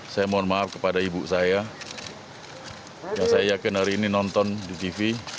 saya mohon maaf kepada ibu saya yang saya yakin hari ini nonton di tv